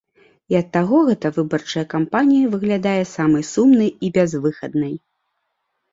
І ад таго гэта выбарчая кампанія выглядае самай сумнай і бязвыхаднай.